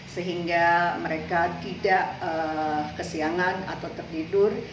sehingga mereka tidak kesiangan atau tertidur